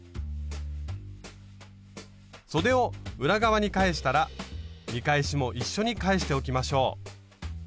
そでを裏側に返したら見返しも一緒に返しておきましょう。